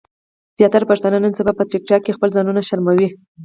زياتره پښتانۀ نن سبا په ټک ټاک کې خپل ځانونه شرموي